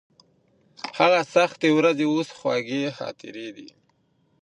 هغه سختې ورځې اوس خوږې خاطرې دي.